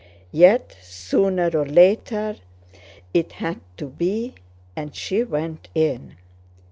Yet sooner or later it had to be, and she went in.